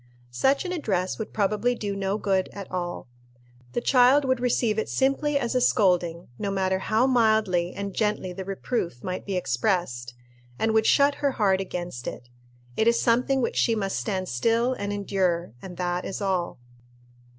Such an address would probably do no good at all. The child would receive it simply as a scolding, no matter how mildly and gently the reproof might be expressed, and would shut her heart against it. It is something which she must stand still and endure, and that is all.